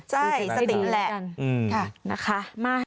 ใช่สติ๊กแหละ